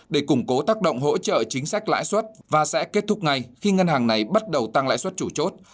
để củng cố tác động hỗ trợ chính sách lãi suất và sẽ kết thúc ngay khi ngân hàng này bắt đầu tăng lãi suất chủ chốt